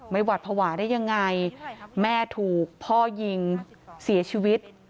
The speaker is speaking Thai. หวัดภาวะได้ยังไงแม่ถูกพ่อยิงเสียชีวิต